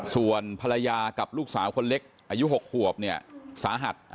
ส่วนภรรยากับลูกสาวคนเล็กอายุ๖ขวบเนี่ยสาหัส